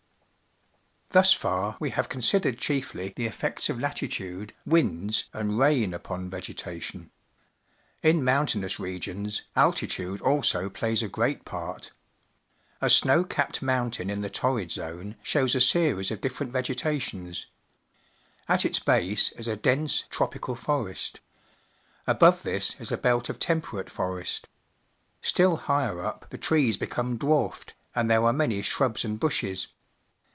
Thus far, we have considered chiefly the effects of latitude, winds, and rain upon vegeta tion. Tr| mniint.n innus regions, altitude also plays a great part. A snow capped mountain in the Torrid Zone shows ;i series of different vege tations. At its ba.se is a dense, tropical forest. Above this is a belt of temperate forest. Still higher up the trees become dwarfed, and there are many shrubs and bushes.